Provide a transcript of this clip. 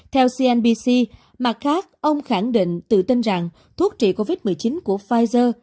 theo cnbc mặt khác ông khẳng định tự tin rằng thuốc trị covid một mươi chín của pfizer